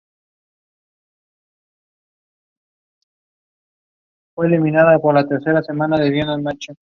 Las dos versiones eran esencialmente las mismas.